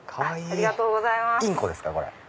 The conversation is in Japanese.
ありがとうございます。